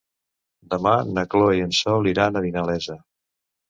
Demà na Chloé i en Sol iran a Vinalesa.